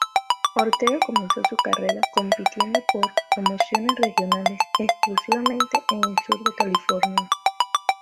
Ortega comenzó su carrera compitiendo por promociones regionales exclusivamente en el sur de California.